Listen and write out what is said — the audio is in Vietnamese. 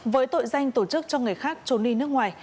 với tội danh tổ chức cho người khác trốn đi nước ngoài